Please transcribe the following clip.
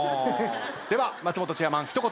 では松本チェアマン一言